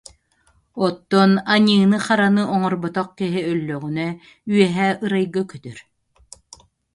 Оттон аньыыны-хараны оҥорботох киһи өллөҕүнэ, үөһээ ырайга көтөр